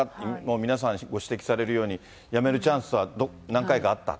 皆さんご指摘されるように、やめるチャンスは何回かあった。